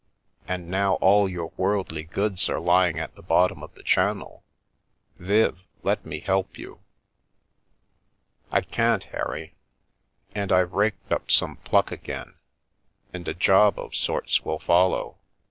And now all your worldly goods are lying at the bottom of the Channel. Viv, let me help you." " I can't, Harry. And I've raked up some pluck again, and a job of sorts will follow.